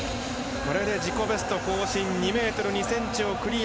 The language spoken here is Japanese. これで自己ベスト更新２ｍ２ｃｍをクリア。